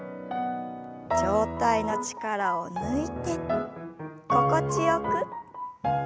上体の力を抜いて心地よく。